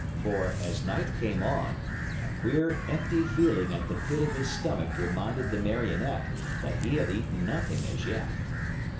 For, as night came on, a queer, empty feeling at the pit of his stomach reminded the Marionette that he had eaten nothing as yet.